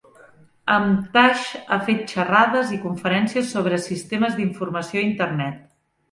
Emtage ha fet xerrades i conferències sobre sistemes d'informació a Internet.